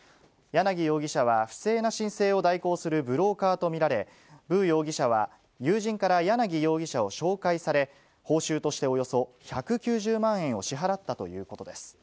楊容疑者は、不正な申請を代行するブローカーと見られ、武容疑者は友人から楊容疑者を紹介され、報酬としておよそ１９０万円を支払ったということです。